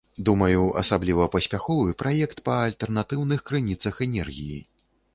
Думаю, асабліва паспяховы праект па альтэрнатыўных крыніцах энергіі.